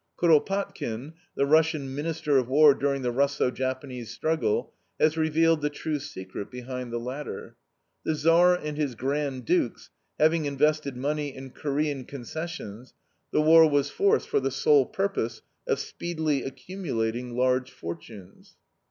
Kuropatkin, the Russian Minister of War during the Russo Japanese struggle, has revealed the true secret behind the latter. The Tsar and his Grand Dukes, having invested money in Corean concessions, the war was forced for the sole purpose of speedily accumulating large fortunes.